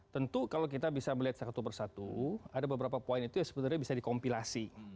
tentu kalau kita bisa melihat satu persatu ada beberapa poin itu yang sebenarnya bisa dikompilasi